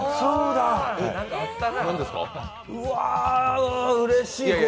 うわー、うれしい。